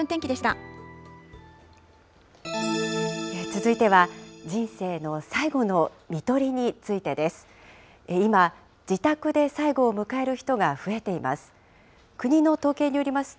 続いては人生の最期のみとりについてです。